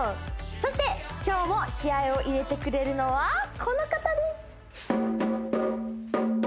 そして今日も気合を入れてくれるのはこの方です